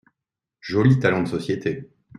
Joli talent de société !